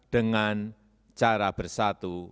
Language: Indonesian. dengan cara bersatu